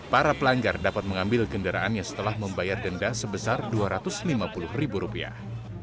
para pelanggar dapat mengambil kendaraannya setelah membayar denda sebesar dua ratus lima puluh ribu rupiah